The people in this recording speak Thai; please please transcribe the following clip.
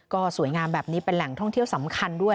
ก็สวยงามแบบนี้เป็นแหล่งท่องเที่ยวสำคัญด้วย